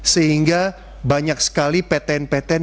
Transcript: sehingga banyak sekali ptn ptn